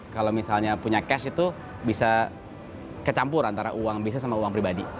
kalau misalnya punya cash itu bisa kecampur antara uang bisnis sama uang pribadi